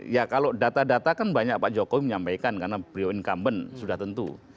ya kalau data data kan banyak pak jokowi menyampaikan karena beliau incumbent sudah tentu